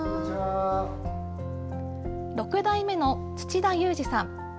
６代目の土田祐士さん。